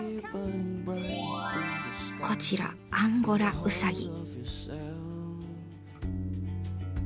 こちらアンゴラウサギ。